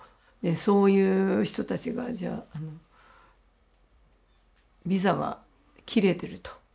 そういう人たちがじゃああのビザが切れてると。